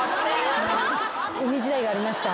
ウニ時代がありました。